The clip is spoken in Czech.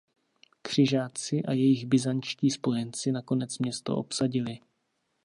Křižáci a jejich byzantští spojenci nakonec město obsadili.